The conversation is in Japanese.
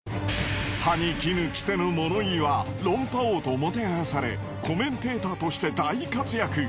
歯に衣着せぬ物言いは論破王ともてはやされコメンテーターとして大活躍。